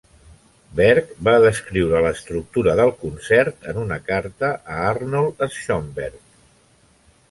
Berg va descriure l'estructura del concert en una carta a Arnold Schoenberg.